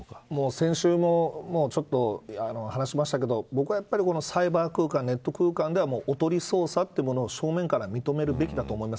先週もちょっと話しましたけど僕はやっぱりサイバー空間、ネット空間ではおとり捜査を正面から認めるべきだと思います。